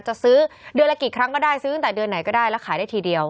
จะซื้อเดือนละกี่ครั้งก็ได้ซื้อตั้งแต่เดือนไหนก็ได้แล้วขายได้ทีเดียว